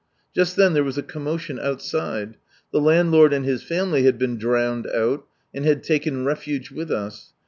Just then there was a commotion outside. The landlord and his family had been drowned out, and had taken refuge with us.